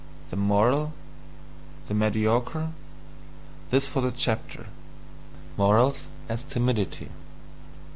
The "moral"? The mediocre? This for the chapter: "Morals as Timidity."